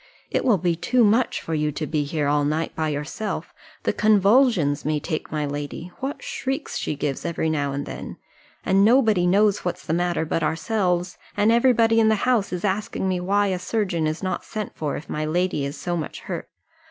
It will be too much for you to be here all night by yourself. The convulsions may take my lady. What shrieks she gives every now and then! and nobody knows what's the matter but ourselves; and every body in the house is asking me why a surgeon is not sent for, if my lady is so much hurt.